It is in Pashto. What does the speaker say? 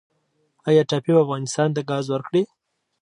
آیا ټاپي به افغانستان ته ګاز ورکړي؟